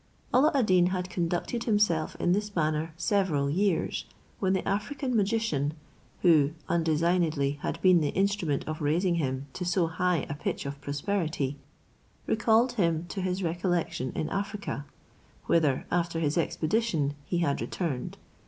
Alla ad Deen had conducted himself in this manner several years, when the African magician, who undesignedly had been the instrument of raising him to so high a pitch of prosperity, recalled him to his recollection in Africa, whither, after his expedition, he had returned.